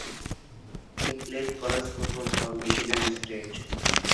He played college football for Michigan State.